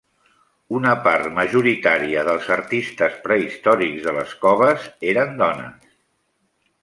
Una part majoritària dels artistes prehistòrics de les coves eren dones.